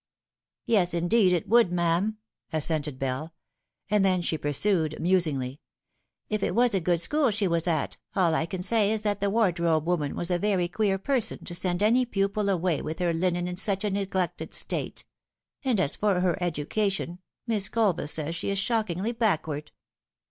" Yes, indeed, it would, ma'am," assented Bell ; and then she pursued musingly :" If it was a good school she was at, all I can say is that the wardrobe woman was a very queer person to send any pupil away with her linen in such a neglected state. And as for her education, Miss Colville says she is shockingly back ward.